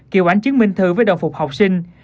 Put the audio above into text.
kiệu ảnh chứng minh thư với đồng phục học sinh